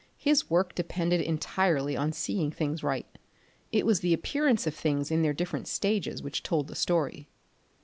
His work depended entirely on seeing things right; it was the appearance of things in their different stages which told the story.